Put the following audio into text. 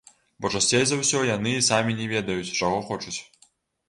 Бо часцей за ўсё яны і самі не ведаюць, чаго хочуць.